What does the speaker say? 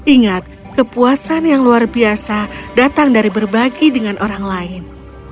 ingat kepuasan yang luar biasa datang dari berbagi dengan orang lain